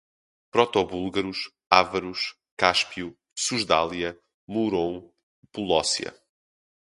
Protobúlgaros, ávaros, Cáspio, Susdália, Murom, Polócia